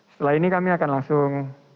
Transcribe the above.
setelah ini kami akan langsung